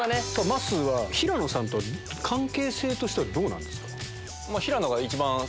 まっすーは平野さんと関係性としてはどうなんですか？